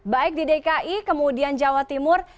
baik di dki kemudian jawa timur